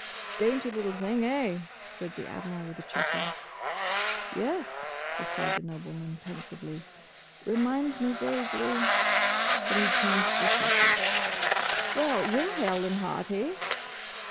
"Dainty little thing, eh?" said the Admiral with a chuckle. "Yes," replied the nobleman, pensively. "Reminds me vaguely—" but he changed the subject. "Well! You're hale and hearty!"